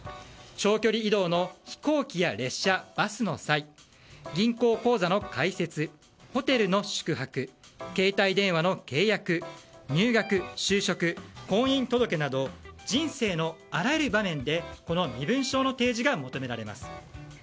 長距離移動の飛行機や列車バスの際や銀行口座の開設、ホテルの宿泊携帯電話の契約入学、就職、婚姻届など人生のあらゆる場面でこの身分証の提示が求められます。